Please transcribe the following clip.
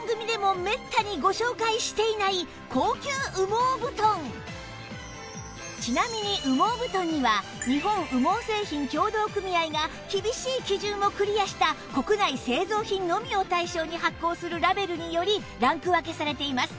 そうちなみに羽毛布団には日本羽毛製品協同組合が厳しい基準をクリアした国内製造品のみを対象に発行するラベルによりランク分けされています